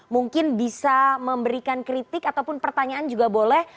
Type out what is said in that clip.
mungkin bisa memberikan kritik ataupun pertanyaan juga boleh